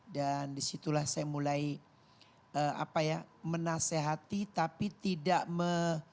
dan disitulah saya mulai apa ya menasehati tapi tidak me